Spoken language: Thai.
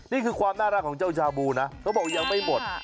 นี่คือความน่ารักของเจ้าชาบูนะเขาบอกยังไม่หมด